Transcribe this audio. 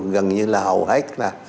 gần như là hầu hết là